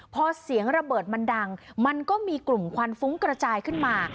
พอเสียงระเบิดมันดังมันก็มีกลุ่มควันฟุ้งกระจายขึ้นมา